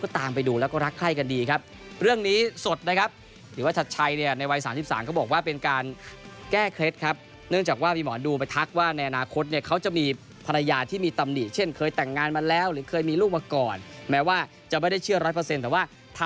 ทะเบียนสวรรค์อีกครั้งหนึ่ง